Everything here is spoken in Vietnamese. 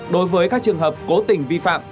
đối với các trường hợp cố tình vi phạm